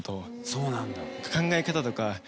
そうなんだ。